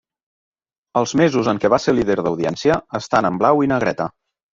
Els mesos en què va ser líder d'audiència, estan en blau i negreta.